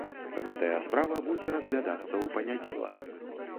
Гэтая справа будзе разглядацца ў панядзелак.